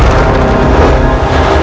tapi dia sudah